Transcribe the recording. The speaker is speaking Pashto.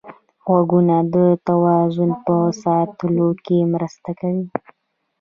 غوږونه د توازن په ساتلو کې مرسته کوي